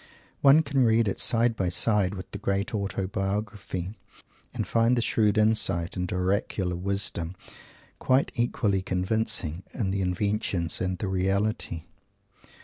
One can read it side by side with the great "Autobiography" and find the shrewd insight and oracular wisdom quite equally convincing in the invention and the reality.